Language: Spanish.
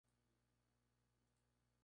Por orden cronológico de publicación